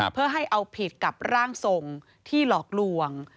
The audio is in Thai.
เพื่อให้เอาผิดกับร่างทรงที่หลอกลวง